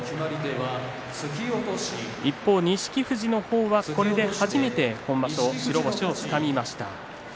一方、錦富士の方はこれで初めて今場所、白星をつかみました。